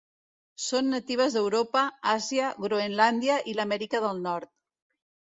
Són natives d'Europa, Àsia, Groenlàndia i l'Amèrica del nord.